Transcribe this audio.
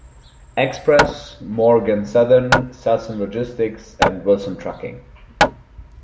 Express, Morgan Southern, Salson Logistics and Wilson Trucking.